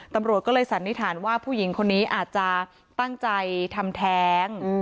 ตำรวจก็เลยสันนิษฐานว่าผู้หญิงคนนี้อาจจะตั้งใจทำแท้ง